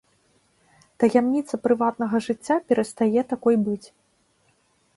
Таямніца прыватнага жыцця перастае такой быць.